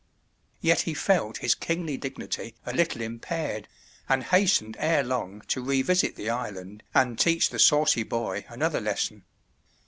Yet he felt his kingly dignity a little impaired, and hastened ere long to revisit the island and teach the saucy boy another lesson.